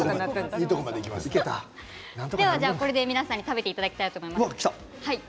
これで皆さんに食べていただきます。